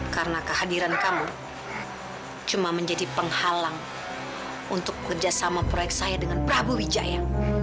karena kehadiran kamu cuma menjadi penghalang untuk kerjasama proyek saya dengan prabu wijaya